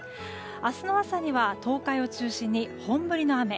明日の朝には東海を中心に本降りの雨。